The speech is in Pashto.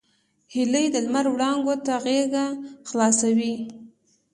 هیلۍ د لمر وړانګو ته غېږه خلاصوي